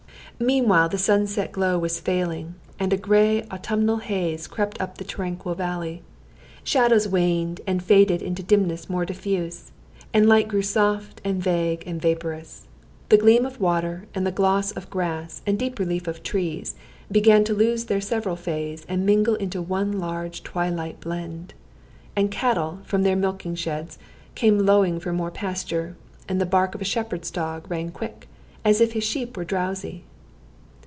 Meanwhile the sunset glow was failing, and a gray autumnal haze crept up the tranquil valley. Shadows waned and faded into dimness more diffuse, and light grew soft and vague and vaporous. The gleam of water, and the gloss of grass, and deep relief of trees, began to lose their several phase and mingle into one large twilight blend. And cattle, from their milking sheds, came lowing for more pasture; and the bark of a shepherd's dog rang quick, as if his sheep were drowsy.